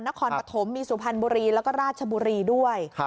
นครปฐมมีสุพรรณบุรีแล้วก็ราชบุรีด้วย